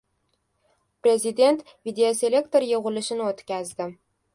Prezident videoselektor yig‘ilishini o‘tkazdi